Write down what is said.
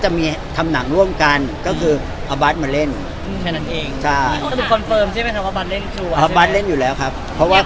ฉันไม่ได้เป็นต้นเหตุบาร์ดเขาก็อยู่ของเขา